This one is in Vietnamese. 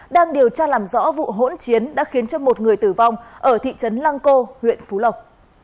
đang điều tra làm rõ vụ hỗn chiến đã khiến cho một người tử vong ở thị trấn lăng cô huyện phú lộc